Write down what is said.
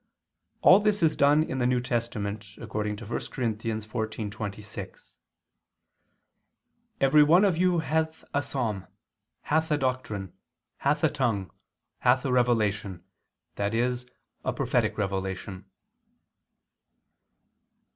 All this is done in the New Testament, according to 1 Cor. 14:26, "Every one of you hath a psalm, hath a doctrine, hath a tongue, hath a revelation," i.e. a prophetic revelation.